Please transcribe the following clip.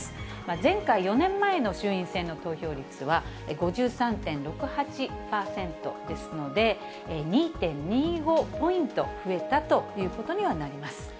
前回・４年前の衆院選の投票率は５３．６８％ですので、２．２５ポイント増えたということにはなります。